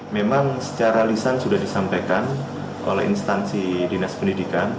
memang secara lisan sudah disampaikan oleh instansi dinas pendidikan